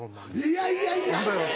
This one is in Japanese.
いやいやいや！